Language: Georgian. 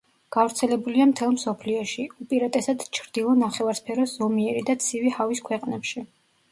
გავრცელებულია მთელ მსოფლიოში, უპირატესად ჩრდილო ნახევარსფეროს ზომიერი და ცივი ჰავის ქვეყნებში.